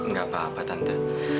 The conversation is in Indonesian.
gak apa apa tante